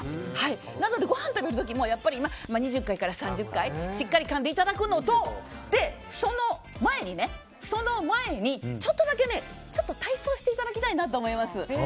なのでごはん食べる時も２０回から３０回しっかりかんでいただくのとその前に、ちょっとだけ体操していただきたいなと思います。